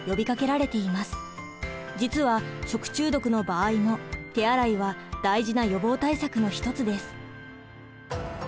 実は食中毒の場合も手洗いは大事な予防対策の一つです。